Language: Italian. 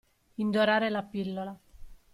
Indorare la pillola.